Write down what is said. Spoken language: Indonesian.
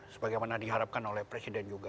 sebagaimana diharapkan oleh presiden juga